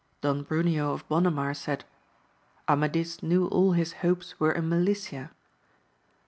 Don Bruneo of Bonamar said, Amadis knew all his hopes were in Melicia.